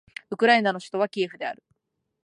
ウクライナの首都はキエフである